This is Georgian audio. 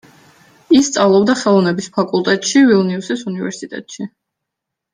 ის სწავლობდა ხელოვნების ფაკულტეტში ვილნიუსის უნივერსიტეტში.